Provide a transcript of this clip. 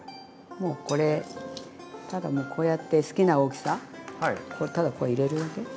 もうこれただもうこうやって好きな大きさただこう入れるだけ。